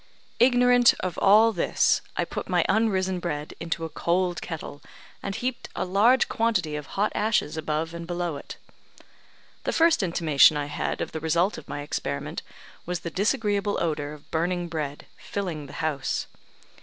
Ignorant of all this, I put my unrisen bread into a cold kettle, and heaped a large quantity of hot ashes above and below it. The first intimation I had of the result of my experiment was the disagreeable odour of burning bread filling the house.